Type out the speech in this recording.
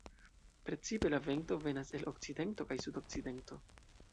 Precipe la vento venas el okcidento kaj sudokcidento.